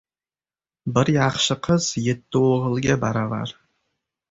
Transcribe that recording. • Bir yaxshi qiz yetti o‘g‘ilga baravar.